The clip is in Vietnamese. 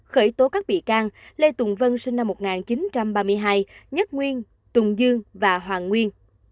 khởi tố các bị can lê tùng vân sinh năm một nghìn chín trăm ba mươi hai nhất nguyên tùng dương và hoàng nguyên